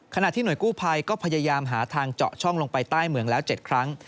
ขณะที่หน่วยกู้ภัยก็พยายามหาทางเจาะช่องลงไปใต้เมืองแล้ว๗ครั้ง